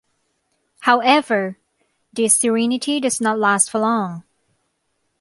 However, this serenity does not last for long.